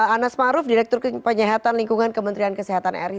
anas maruf direktur penyihatan lingkungan kementerian kesehatan ri